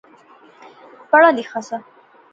پڑھا لیخا سا